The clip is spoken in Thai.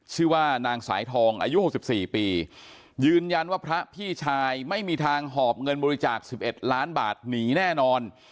ชื่อว่านางสายทองอายุ๖๔ปียืนยันว่าพระพี่ชายไม่มีทางหอบเงินบริจาค๑๑ล้านบาทหนีแน่นอน